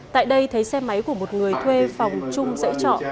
tại đây thấy xe máy của một người thuê phòng chung dễ trọ